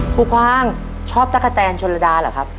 ครูกวางชอบตะกะแตนชนระดาเหรอครับ